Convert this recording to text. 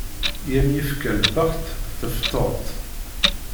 I am-yefka lbext teṭfeḍ-t.